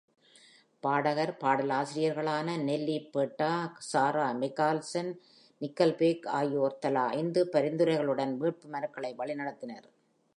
பாடகர்-பாடலாசிரியர்களான நெல்லி ஃபர்ட்டடோ, சாரா மெக்லாச்லன், நிக்கல்பேக் ஆகியோர் தலா ஐந்து பரிந்துரைகளுடன் வேட்புமனுக்களை வழிநடத்தினர்.